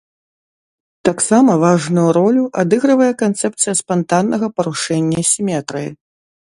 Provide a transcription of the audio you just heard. Таксама важную ролю адыгрывае канцэпцыя спантаннага парушэння сіметрыі.